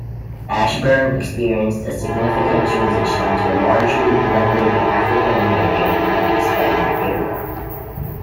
Ashburn experienced a significant transition to a largely blended African-American and Hispanic area.